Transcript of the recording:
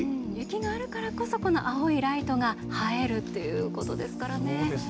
雪があるからこそ青いライトが映えるっていうことですからね。